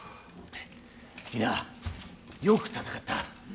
皆よく戦った。